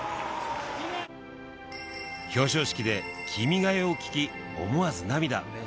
表彰式で『君が代』を聴き思わず涙